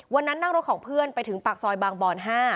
วันนั้นนั่งรถของเพื่อนไปถึงปากซอยบางบอน๕